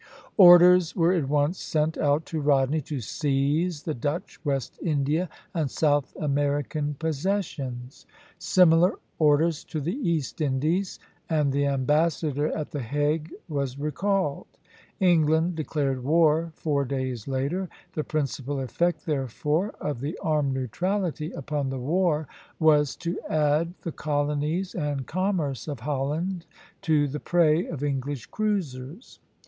Orders were at once sent out to Rodney to seize the Dutch West India and South American possessions; similar orders to the East Indies; and the ambassador at the Hague was recalled. England declared war four days later. The principal effect, therefore, of the Armed Neutrality upon the war was to add the colonies and commerce of Holland to the prey of English cruisers.